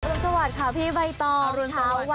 อารุณสวัสดิ์ค่ะพี่ใบตอบอารุณสวัสดิ์ค่ะ